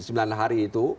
sembilan hari itu